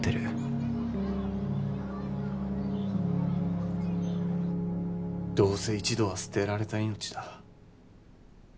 現在どうせ一度は捨てられた命だ。